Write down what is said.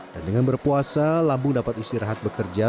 dan dengan berpuasa lambung dapat istirahat bekerja